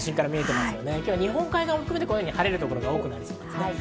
今日、日本海を含めて晴れる所が多くなりそうなんです。